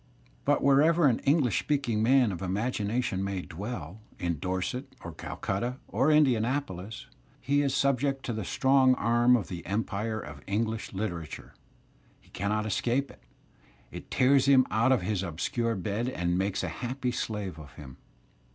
But wherever an English speaking man of imagination may dwell, in Dorset 7\pr Calcutta or Indianapolis, he is subject to the strong arm / of the empire of English literature; he cannot escape it; it tears him out of his obscure bed and makes a happy slave of him.